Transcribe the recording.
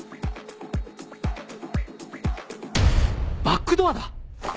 バックドアだ！